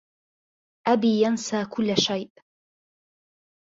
أبي ينسى كل شيء.